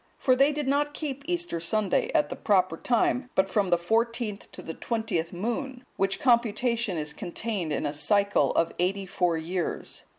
For they did not keep Easter Sunday at the proper time, but from the fourteenth to the twentieth moon; which computation is contained in a cycle of eighty four years.